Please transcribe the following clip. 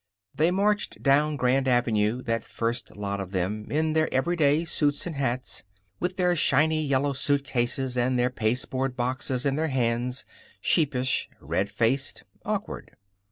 They marched down Grand Avenue, that first lot of them, in their everyday suits and hats, with their shiny yellow suitcases and their pasteboard boxes in their hands, sheepish, red faced, awkward.